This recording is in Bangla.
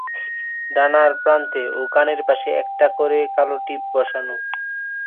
ডানার প্রান্তে ও কানের পাশে একটা করে কালো টিপ বসানো।